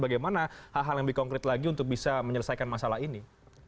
bagaimana hal hal yang lebih konkret lagi untuk bisa menyelesaikan masalah ini